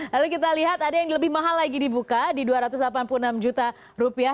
lalu kita lihat ada yang lebih mahal lagi dibuka di dua ratus delapan puluh enam juta rupiah